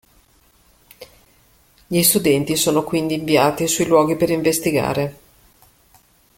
Gli studenti sono quindi inviati sui luoghi per investigare.